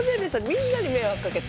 みんなに迷惑かけて。